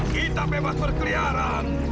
kita bebas berkeliaran